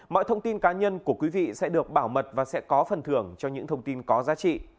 mọi thông tin cá nhân của quý vị sẽ được bảo mật và sẽ có phần thưởng cho những thông tin có giá trị